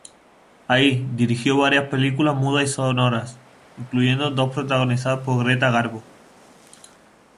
Ahí, dirigió varias películas mudas y sonoras, incluyendo dos protagonizadas por Greta Garbo.